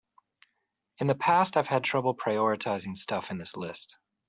In the past I've had trouble prioritizing stuff in this list.